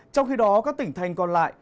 trong khi đó các tỉnh thành còn lại